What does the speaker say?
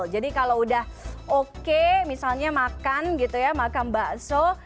jadi kalau udah oke misalnya makan gitu ya makan bakso